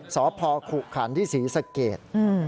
สภขุขานฤทธิ์สีสเกต